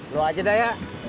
lo aja dayak